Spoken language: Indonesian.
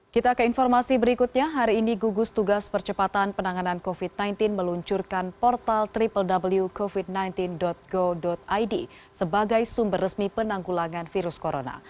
kita ke informasi berikutnya hari ini gugus tugas percepatan penanganan covid sembilan belas meluncurkan portalw covid sembilan belas go id sebagai sumber resmi penanggulangan virus corona